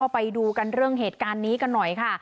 ไปดูกันเรื่องเหตุการณ์นี้กันหน่อยค่ะ